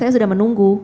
saya sudah menunggu